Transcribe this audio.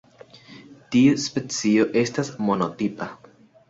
Tiu specio estas monotipa.